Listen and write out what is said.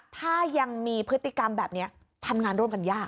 ถ้ายังมีพฤติกรรมแบบนี้ทำงานร่วมกันยาก